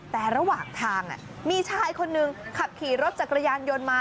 แต่ระหว่างทางมีชายคนหนึ่งขับขี่รถจักรยานยนต์มา